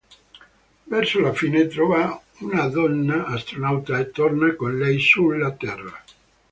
Verso la fine, trova una donna astronauta e torna con lei sulla Terra.